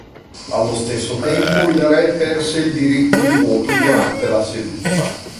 Allo stesso tempo il re perse il diritto di voto durante la seduta.